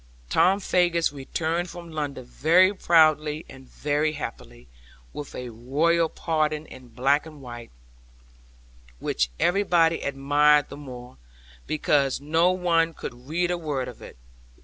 Tom Faggus returned from London very proudly and very happily, with a royal pardon in black and white, which everybody admired the more, because no one could read a word of it.